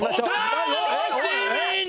お楽しみに！